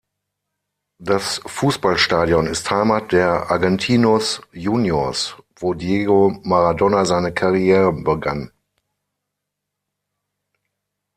Das Fußballstadion ist Heimat der Argentinos Juniors, wo Diego Maradona seine Karriere begann.